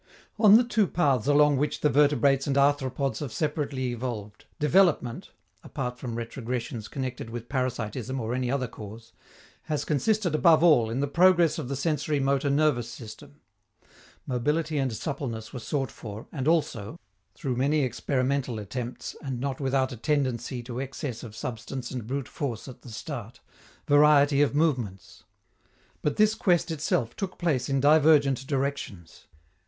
On the two paths along which the vertebrates and arthropods have separately evolved, development (apart from retrogressions connected with parasitism or any other cause) has consisted above all in the progress of the sensori motor nervous system. Mobility and suppleness were sought for, and also through many experimental attempts, and not without a tendency to excess of substance and brute force at the start variety of movements. But this quest itself took place in divergent directions.